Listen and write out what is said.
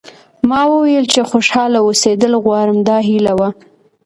ما وویل چې خوشاله اوسېدل غواړم دا هیله وه.